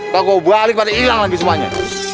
paku balik pasti ilang lagi semuanya